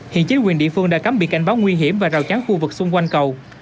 hiện chính quyền địa phương đã cắm bị cảnh báo nguy hiểm và rào chắn khu vực xung quanh cầu